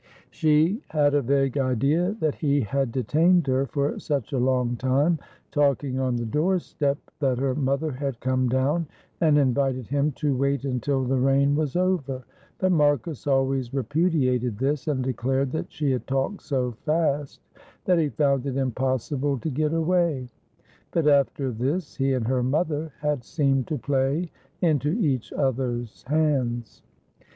She had a vague idea that he had detained her for such a long time talking on the doorstep that her mother had come down and invited him to wait until the rain was over, but Marcus always repudiated this, and declared that she had talked so fast that he found it impossible to get away; but after this he and her mother had seemed to play into each other's hands.